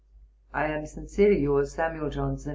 I am, Sincerely yours, SAM. JOHNSON.